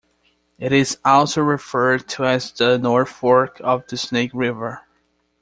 It is also referred to as the North Fork of the Snake River.